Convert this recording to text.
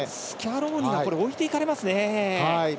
スキャローニが置いていかれますね。